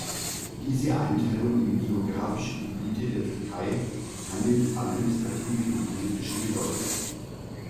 Diese Einteilung in geographische Gebiete der Türkei hat keine administrative und politische Bedeutung.